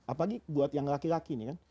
apalagi buat yang laki laki nih kan